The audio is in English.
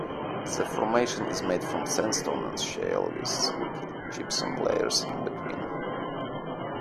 The formation is made from sandstone and shale with gypsum layers in between.